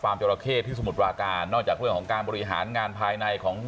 จราเข้ที่สมุทรปราการนอกจากเรื่องของการบริหารงานภายในของ